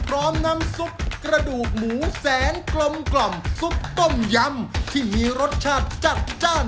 น้ำซุปกระดูกหมูแสนกลมกล่อมซุปต้มยำที่มีรสชาติจัดจ้าน